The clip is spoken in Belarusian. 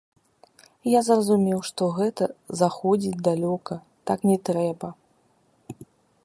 Я зразумеў, што гэта заходзіць далёка, так не трэба.